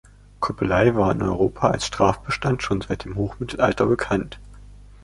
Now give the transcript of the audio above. Kuppelei war in Europa als Straftatbestand schon seit dem Hochmittelalter bekannt.